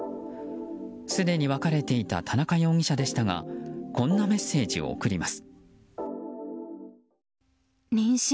すでに別れていた田中容疑者でしたがこんなメッセージを送ります。